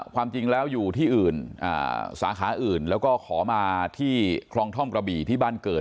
ความจริงแล้วอยู่ที่อื่นสาขาอื่นแล้วก็ขอมาที่คลองท่อมกระบี่ที่บ้านเกิด